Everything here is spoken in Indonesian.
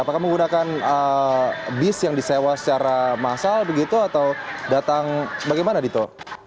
apakah menggunakan bis yang disewa secara massal begitu atau datang bagaimana dito